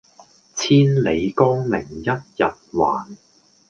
千里江陵一日還